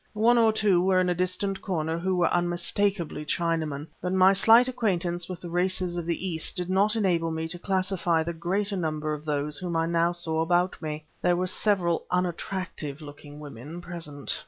One or two there were in a distant corner who were unmistakably Chinamen; but my slight acquaintance with the races of the East did not enable me to classify the greater number of those whom I now saw about me. There were several unattractive looking women present.